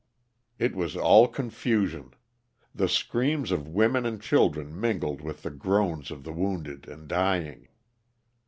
It was all confusion. The screams of women and children mingled with the groans of the wounded and dying.